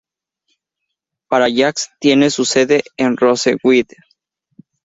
Parallax tiene su sede en Roseville.